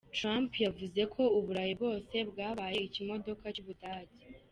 Trump yavuze ko u Burayi bwose bwabaye ikimodoka cy’u Budage’.